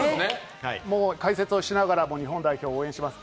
解説しながらも日本代表を応援します。